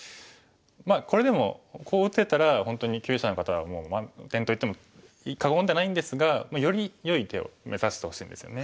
まあこれでもこう打てたら本当に級位者の方はもう満点といっても過言ではないんですがよりよい手を目指してほしいんですよね。